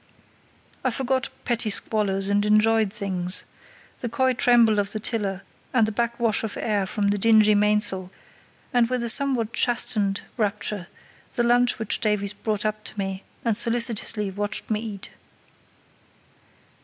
I forgot petty squalors and enjoyed things—the coy tremble of the tiller and the backwash of air from the dingy mainsail, and, with a somewhat chastened rapture, the lunch which Davies brought up to me and solicitously watched me eat.